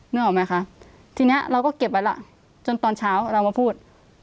นึกออกไหมคะทีนี้เราก็เก็บไว้ล่ะจนตอนเช้าเรามาพูด